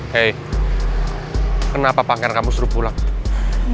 hei kenapa pangeran kamu suruh pulang